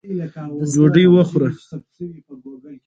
مس فرګوسن هم له هغې سره وه، چې ډېره خوشحاله معلومېده.